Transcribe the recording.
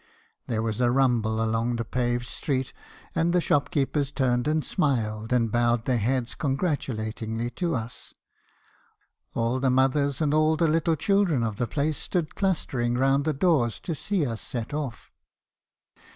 There was a rumble along the paved street; and the shopkeepers turned and smiled, and bowed their heads con gratulatingly to us ; ail the mothers and all the little children of the place stood clustering round the doors to see us set off.